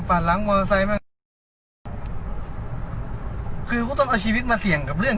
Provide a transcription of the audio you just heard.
หลังมอเตอร์ไซค์มาคือก็ต้องเอาชีวิตมาเสี่ยงกับเรื่อง